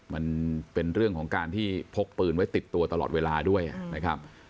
มันเป็นเรื่องของการที่พกปืนไว้ติดตัวตลอดเวลาด้วยนะครับ